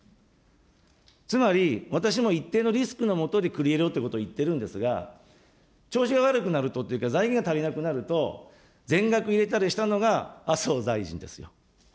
つまり私も一定のリスクのもとで繰り入れようということをいってるんですが、調子が悪くなるというか、財源が足りなくなると、全額入れたりしたのが、麻生大臣ですよ。